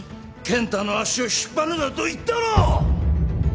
健太の足を引っ張るなと言ったろう！